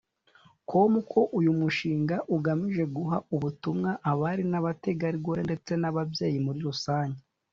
com ko uyu mushinga ugamije guha ubutumwa abari n’abategarugori ndetse n’ababyeyi muri rusange